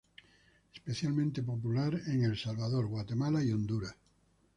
Especialmente popular en El Salvador, Guatemala y Honduras.